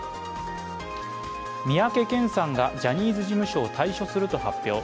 三宅健さんがジャニーズ事務所を退所すると発表。